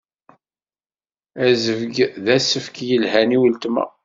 Azebg d asefk yelhan i weltma.